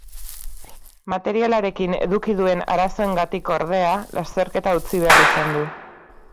Materialarekin eduki duen arazoengatik, ordea, lasterketa utzi behar izan du.